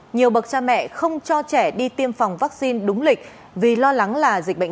nhiều bậc cha mẹ không cho trẻ đi tiêm phòng vaccine đúng lịch vì lo lắng là dịch bệnh